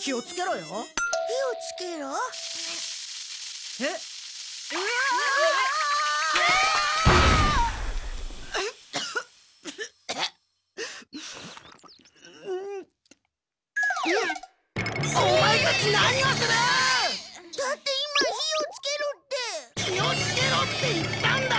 気をつけろって言ったんだ！